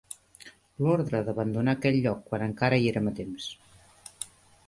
L'ordre, d'abandonar aquell lloc quan encara hi érem a temps